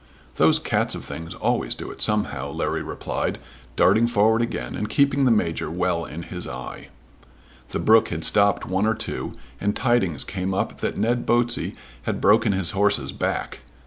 "Those cats of things always do it somehow," Larry replied darting forward again and keeping the Major well in his eye. The brook had stopped one or two, and tidings came up that Ned Botsey had broken his horse's back.